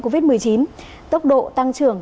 covid một mươi chín tốc độ tăng trưởng